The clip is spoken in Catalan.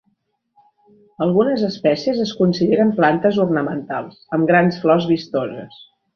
Algunes espècies es consideren plantes ornamentals amb grans flors vistoses.